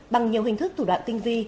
bằng nhiều hình thức thủ đoạn tinh vi